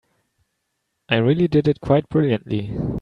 I really did it quite brilliantly.